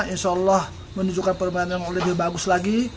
insya allah menunjukkan permainan yang lebih bagus lagi